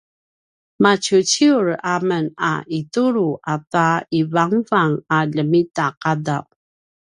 maciuciur a men a itulu ata ivangavang a ljemita qadaw